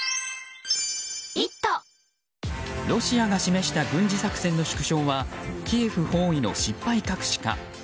ロシアが示した軍事作戦の縮小はキエフ包囲の失敗隠しか。